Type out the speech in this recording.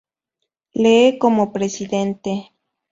Lee como presidente.